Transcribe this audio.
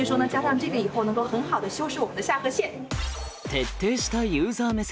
徹底したユーザー目線。